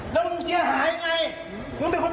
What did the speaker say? เค้าชบเต็มเลยเหรอ